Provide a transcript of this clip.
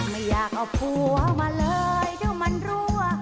ไม่อยากเอาผัวมาเลยเดี๋ยวมันรั่ว